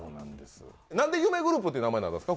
なんで「夢グループ」っていう名前なんですか？